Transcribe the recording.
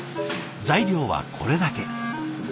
材料はこれだけ。